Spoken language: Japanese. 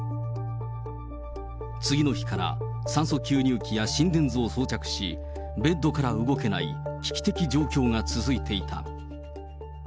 次の日から酸素吸入器や心電図を装着し、ベッドから動けない危機的状況が続いていた。